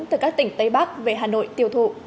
từ các tỉnh tây bắc về hà nội tiêu thụ